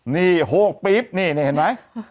นี่โฮกปิ๊บนี่เห็นมั้ย